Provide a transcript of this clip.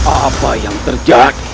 apa yang terjadi